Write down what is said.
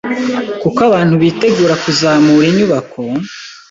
kuko abantu bitegura kuzamura inyubako